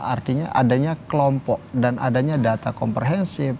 artinya adanya kelompok dan adanya data komprehensif